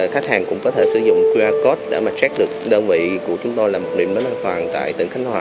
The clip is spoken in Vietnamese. khách hàng cũng có thể sử dụng qr code để mà xét được đơn vị của chúng tôi là một điểm đến an toàn tại tỉnh khánh hòa